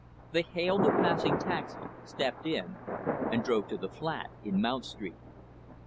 They hailed a passing taxi, stepped in, and drove to the flat in Mount Street.